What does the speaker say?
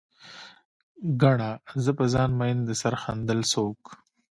ګڼه، زه په ځان مين د سر ښندل څوک